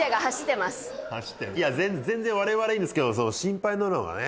いや全然我々いいんですけど心配なのがね